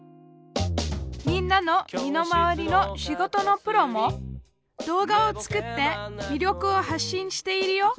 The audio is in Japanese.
みんなの身の回りの仕事のプロも動画を作って魅力を発信しているよ。